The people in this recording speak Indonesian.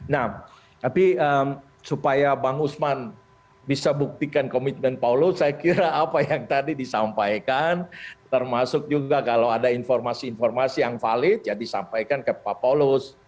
nah tapi supaya bang usman bisa buktikan komitmen paulus saya kira apa yang tadi disampaikan termasuk juga kalau ada informasi informasi yang valid ya disampaikan ke pak paulus